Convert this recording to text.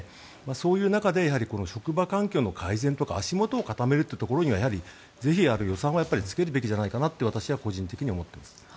そういう中で職場環境の改善とか足元を固めるというところにはぜひ、予算をつけるべきじゃないかなと私は個人的に思っています。